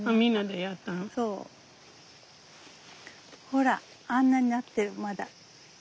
ほらあんなになってるまだ。